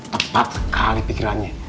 tepat sekali pikirannya